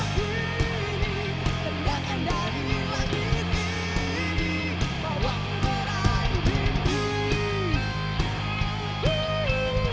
tepuk tangan yang beri adonan buat gotak